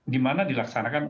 di mana dilaksanakan